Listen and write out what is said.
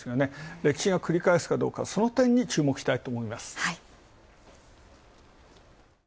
歴史が繰り返すかどうか、そのてんに注目したいと。